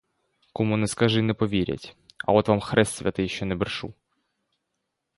Кому не скажи, не повірять, а от вам хрест святий, що не брешу.